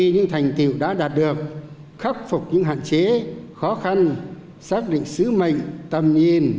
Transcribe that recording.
nhưng thành tiểu đã đạt được khắc phục những hạn chế khó khăn xác định sứ mệnh tầm nhìn